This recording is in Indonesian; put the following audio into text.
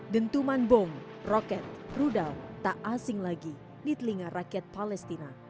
dentuman bom roket rudal tak asing lagi di telinga rakyat palestina